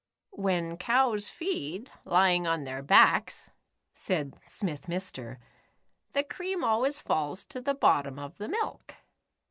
"When cows feed, lying on their backs," said Smith Mr., "the cream always falls to the bottom of the milk."